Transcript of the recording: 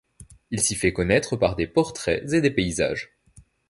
Il s'y fait connaître par des portraits et des paysages.